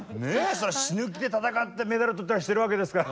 そりゃ死ぬ気で戦ってメダル取ったりしてるわけですから。